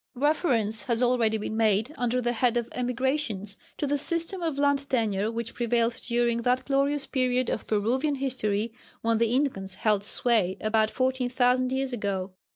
Reference has already been made, under the head of "Emigrations," to the system of land tenure which prevailed during that glorious period of Peruvian history when the Incas held sway about 14,000 years ago.